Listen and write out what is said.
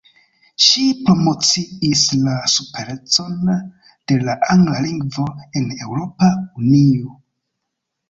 Ŝi promociis la superecon de la angla lingvo en Eŭropa Unio.